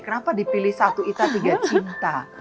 kenapa dipilih satu ita tiga cinta